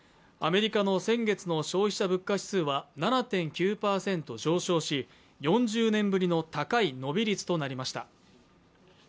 アメリカの先月の消費者物価指数は７．９％上昇し、４０年ぶりの高い伸び率となりました。